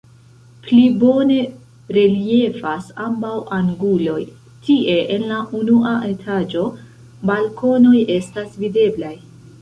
Pli bone reliefas ambaŭ anguloj, tie en la unua etaĝo balkonoj estas videblaj.